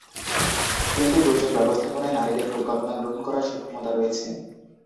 কিন্তু দুর্যোগ ব্যবস্থাপনায় নারীদের পরিকল্পনা গ্রহণ করার সক্ষমতা রয়েছে।